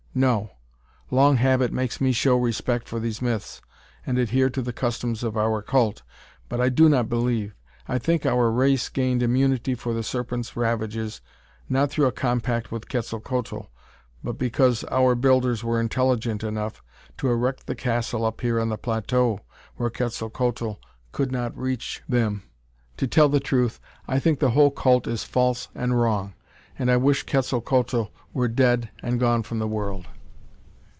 "No! Long habit makes me show respect for these myths, and adhere to the customs of our cult, but I do not believe. I think our race gained immunity for the Serpent's ravages, not through a compact with Quetzalcoatl, but because our builders were intelligent enough to erect the castle up here on the plateau, where Quetzalcoatl could not reach them. To tell the truth, I think the whole cult is false and wrong, and I wish Quetzalcoatl were dead and gone from the world!"